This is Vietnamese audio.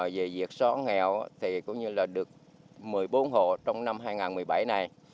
về việc xóa nghèo thì cũng như là được một mươi bốn hộ trong năm hai nghìn một mươi bảy này